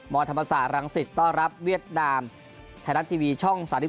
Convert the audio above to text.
ธรรมศาสตรังสิตต้อนรับเวียดนามไทยรัฐทีวีช่อง๓๒